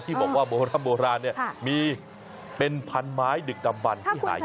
พี่บอกว่าโบราณมีเป็นพันไม้ดึกดำบันที่หายากด้วย